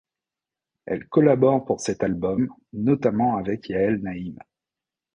Elle collabore pour cet album notamment avec Yael Naim.